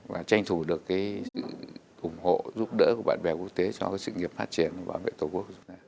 và tranh thủ được sự ủng hộ giúp đỡ của bạn bè quốc tế cho sự nghiệp phát triển và bảo vệ tổ quốc